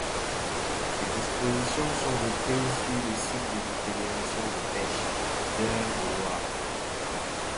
Ces dispositions sont reprises sur le site de la fédération de pêche d'Eure-et-Loir.